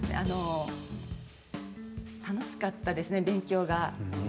楽しかったですね、勉強が。